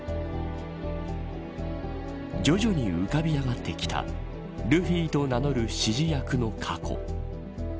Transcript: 徐々に浮かび上がってきたルフィと名乗る指示役の過去。